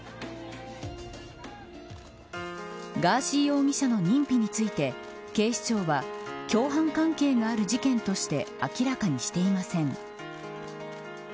ガーシー容疑者の認否について警視庁は共犯関係がある事件として明らかにしていません。